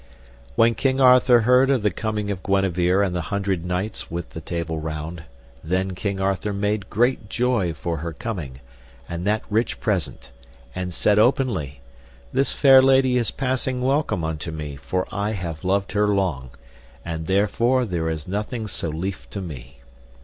When King Arthur heard of the coming of Guenever and the hundred knights with the Table Round, then King Arthur made great joy for her coming, and that rich present, and said openly, This fair lady is passing welcome unto me, for I have loved her long, and therefore there is nothing so lief to me.